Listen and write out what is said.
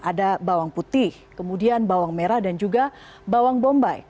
ada bawang putih kemudian bawang merah dan juga bawang bombay